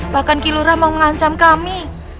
bahkan kilurah mau ngancam kami